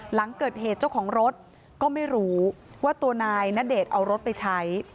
หลังเกิดเหตุเจ้าของรถก็ไม่รู้ว่าตัวนายณเดชน์เอารถไปใช้